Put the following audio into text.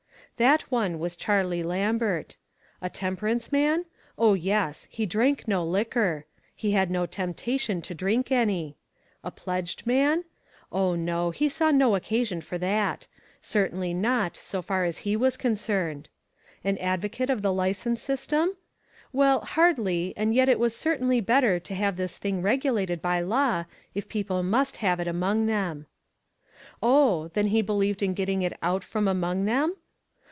That one was Charlie Lambert. A tem perance man? Oh, yes. He drank no liquor. He had no temptation to drink any. A pledged man? Oh, no, he saw no occasion "ONLY A QUESTION OF TIME." 459 for that; certainly not, so far as he was concerned. An advocate of the license sys tem? Well, hardly, and yet it was cer tainly better to have this thing regulated by law, if people must have it among them. Oh, then he believed in getting it out from among them?